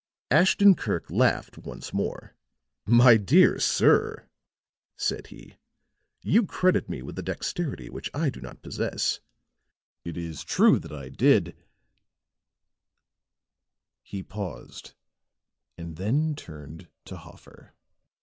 Ashton Kirk laughed once more. "My dear sir," said he, "you credit me with a dexterity which I do not possess. It is true that I did " he paused and then turned to Hoffer.